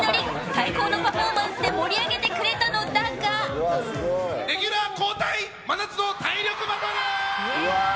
最高のパフォーマンスで盛り上げてくれたのだがレギュラー交代真夏の体力バトル！